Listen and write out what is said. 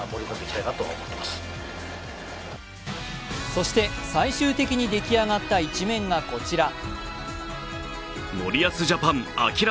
そして、最終的に出来上がった１面がこちら。